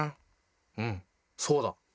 うんそうだ！